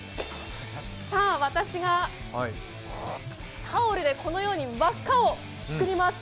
私がタオルでこのように輪っかをつくります。